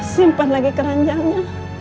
simpan lagi keranjangnya